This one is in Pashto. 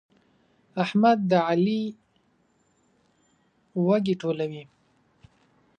احمد د علي وږي ټولوي.